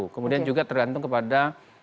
kemudian juga tergantung kepada